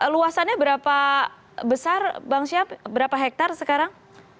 luasannya berapa besar bang syaf berapa hektare sekarang